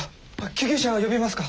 救急車呼びますか？